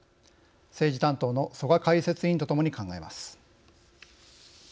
政治担当の曽我解説委員とともに考えます。